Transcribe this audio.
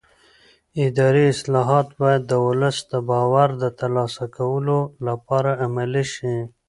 اداري اصلاحات باید د ولس د باور د ترلاسه کولو لپاره عملي شي